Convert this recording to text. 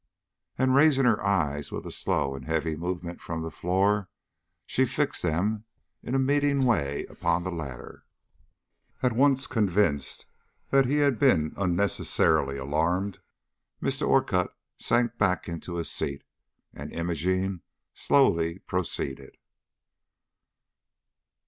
And raising her eyes with a slow and heavy movement from the floor, she fixed them in a meaning way upon the latter. At once convinced that he had been unnecessarily alarmed, Mr. Orcutt sank back into his seat, and Imogene slowly proceeded.